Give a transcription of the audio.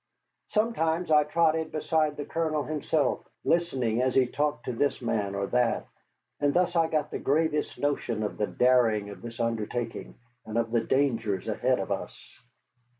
Sometimes I trotted beside the Colonel himself, listening as he talked to this man or that, and thus I got the gravest notion of the daring of this undertaking, and of the dangers ahead of us.